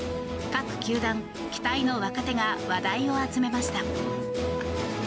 各球団、期待の若手が話題を集めました。